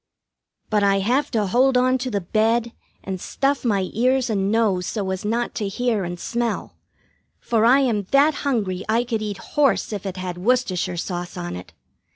But I have to hold on to the bed and stuff my ears and nose so as not to hear and smell, for I am that hungry I could eat horse if it had Worcestershire sauce on it.